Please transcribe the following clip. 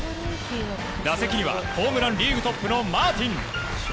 打席にはホームランリーグトップのマーティン。